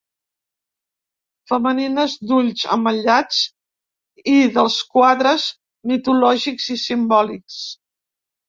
Femenines d’ulls ametllats i dels quadres mitològics i simbòlics.